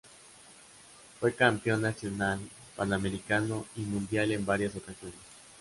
Fue campeón nacional, panamericano y mundial en varias ocasiones.